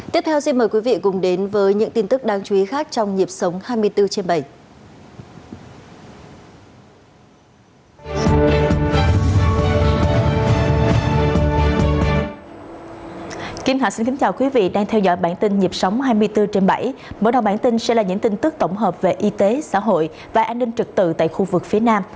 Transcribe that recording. tiếp theo xin mời quý vị cùng đến với những tin tức đáng chú ý khác trong nhịp sống hai mươi bốn trên bảy